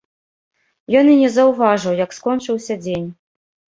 Ён і не заўважыў, як скончыўся дзень.